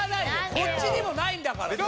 こっちにもないんだからさ。